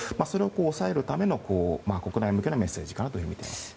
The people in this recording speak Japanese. それを抑えるための国内向けのメッセージかなと思います。